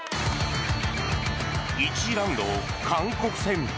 １次ラウンド、韓国戦。